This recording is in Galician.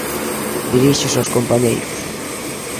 _Diríxese aos compañeiros.